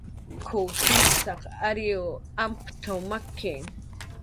"K""uw sipsaq ariy amptaw maki"